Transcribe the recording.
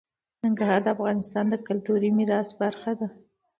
ننګرهار د افغانستان د کلتوري میراث برخه ده.